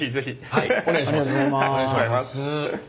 はいお願いします。